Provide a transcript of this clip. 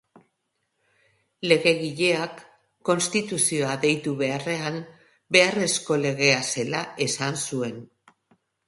Legegileak konstituzioa deitu beharrean, beharrezko legea zela esan zuen.